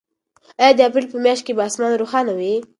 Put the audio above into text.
آیا د اپریل په میاشت کې به اسمان روښانه وي؟